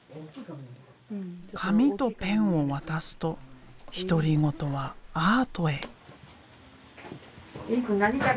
紙とペンを渡すと独り言はアートへ。